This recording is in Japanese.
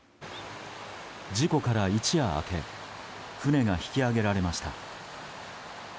事故から一夜明け船が引き揚げられました。